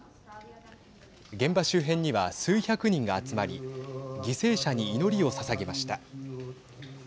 現場周辺には数百人が集まり犠牲者に祈りをささげました。